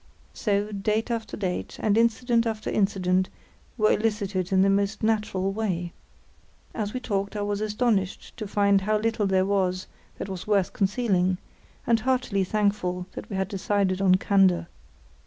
So, date after date, and incident after incident, were elicited in the most natural way. As we talked I was astonished to find how little there was that was worth concealing, and heartily thankful that we had decided on candour.